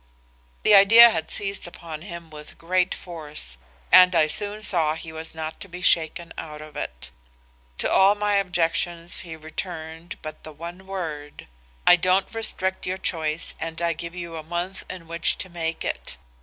"The idea had seized upon him with great force, and I soon saw he was not to be shaken out of it. To all my objections he returned but the one word, "'I don't restrict your choice and I give you a month in which to make it.